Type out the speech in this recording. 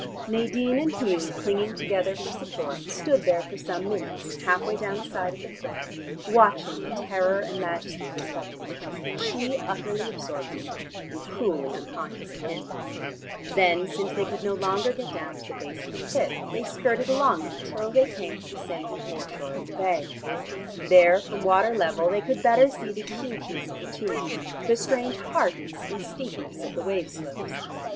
Nadine and Hugh, clinging together for support, stood there for some minutes, half way down the side of the cliff, watching the terror and majesty of the spectacle, she utterly absorbed in it and cruelly unconscious of him. Then, since they could no longer get down to the base of the cliff, they skirted along it till they came to the sandy foreshore of the bay. There from water level they could better see the hugeness of the tumult, the strange hardness and steepness of the wave slopes.